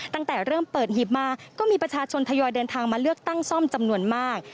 ตั้งแต่เริ่มเปิดหีบมาก็มีประชาชนทยอยเดินทางมาเลือกตั้งซ่อมจำนวนมาก